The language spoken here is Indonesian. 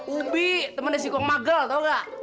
ubi temen dari sukun magel tau nggak